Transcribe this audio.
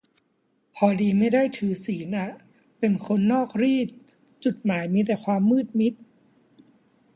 พอดีไม่ได้ถือศีลอะ เป็นคนนอกรีต จุดหมายมีแต่ความมืดมิด